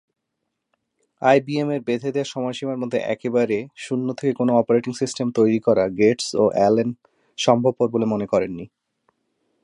আইবিএম-এর বেঁধে দেয়া সময়সীমার মধ্যে একেবারে শূন্য থেকে কোন অপারেটিং সিস্টেম তৈরি করা গেটস ও অ্যালেন সম্ভবপর বলে মনে করেননি।